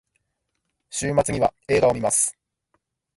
週末には映画を観ます。